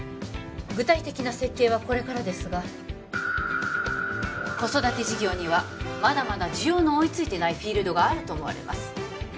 具体的な設計はこれからですが子育て事業にはまだまだ需要の追いついてないフィールドがあると思われます